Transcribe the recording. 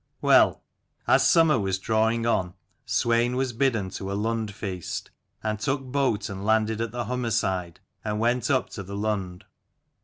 Well, as summer was drawing on, Swein was bidden to a Lund feast: and took boat and landed at the Hummerside and went up to the Lund.